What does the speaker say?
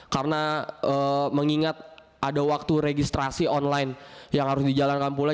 karena mengingat ada waktu registrasi online yang harus dijalankan pula